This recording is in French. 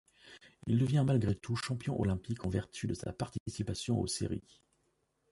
Il devient malgré tout champion olympique en vertu de sa participation aux séries.